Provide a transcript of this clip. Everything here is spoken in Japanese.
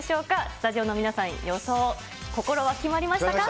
スタジオの皆さん、予想、心は決まりましたか？